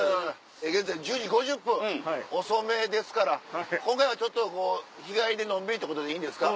現在１０時５０分遅めですから今回はちょっと日帰りでのんびりってことでいいんですか？